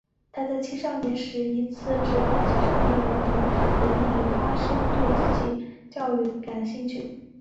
他在青少年时一次指导青年会儿童营地时发现自己对特殊教育感兴趣。